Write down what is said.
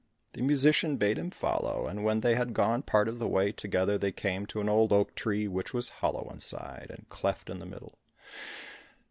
The musician bade him follow, and when they had gone part of the way together, they came to an old oak tree which was hollow inside, and cleft in the middle.